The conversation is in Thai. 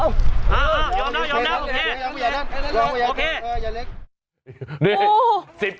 ทางคอไปก่อนทางคอไปก่อน